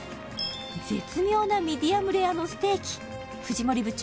絶妙なミディアムレアのステーキ藤森部長